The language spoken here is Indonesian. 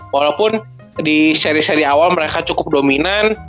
walaupun di seri seri awal mereka cukup dominan